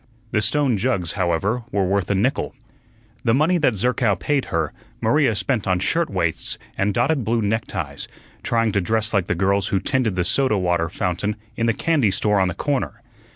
The stone jugs, however, were worth a nickel. The money that Zerkow paid her, Maria spent on shirt waists and dotted blue neckties, trying to dress like the girls who tended the soda water fountain in the candy store on the corner.